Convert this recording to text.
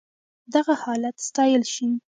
دغه حالت ستايل شي.